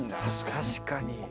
確かに。